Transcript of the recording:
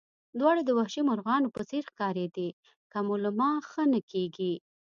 دواړه د وحشي مرغانو په څېر ښکارېدې، که مو له ما ښه نه کېږي.